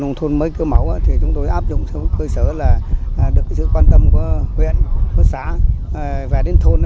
nông thôn mới cơ mẫu thì chúng tôi áp dụng cơ sở là được sự quan tâm của huyện xã về đến thôn